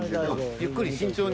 ゆっくり慎重に。